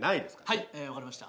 はいわかりました。